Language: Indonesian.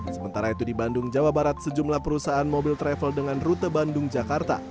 sementara itu di bandung jawa barat sejumlah perusahaan mobil travel dengan rute bandung jakarta